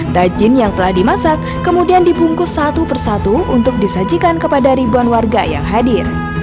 tajin yang telah dimasak kemudian dibungkus satu persatu untuk disajikan kepada ribuan warga yang hadir